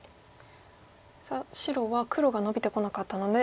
さあ白は黒がノビてこなかったので「